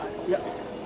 いや。